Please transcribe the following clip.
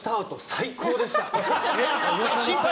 最高でした。